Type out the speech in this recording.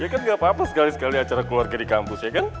ini kan gak apa apa sekali sekali acara keluarga di kampus ya kan